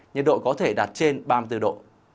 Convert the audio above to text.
nhiệt độ có thể đạt trên ba mươi bốn độ